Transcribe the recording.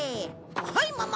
はいママ！